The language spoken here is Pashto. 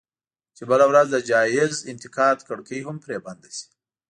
چې بله ورځ د جايز انتقاد کړکۍ هم پرې بنده شي.